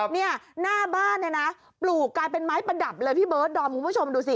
เนี่ยหน้าบ้านเนี่ยนะปลูกกลายเป็นไม้ประดับเลยพี่เบิร์ดดอมคุณผู้ชมดูสิ